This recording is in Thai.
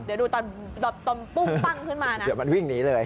เดี๋ยวดูตอนปุ้งปั้งขึ้นมานะเดี๋ยวมันวิ่งหนีเลย